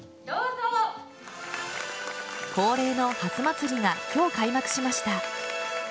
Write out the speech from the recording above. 恒例のはすまつりが今日、開幕しました。